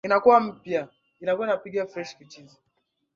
Unanichanganya na maneno yako.